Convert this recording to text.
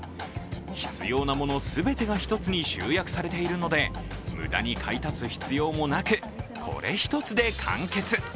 必要なもの全てが１つに集約されているので、無駄に買い足す必要もなく、これ１つで完結。